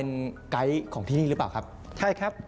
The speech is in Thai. นี่ไงภาคกินคน